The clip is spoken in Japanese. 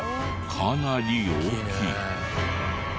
かなり大きい。